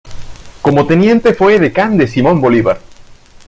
Como teniente fue edecán de Simón Bolívar.